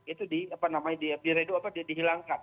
itu di apa namanya di redo apa dihilangkan